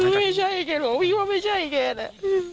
ไม่ใช่แกบอกพี่ว่าไม่ใช่แกแหละ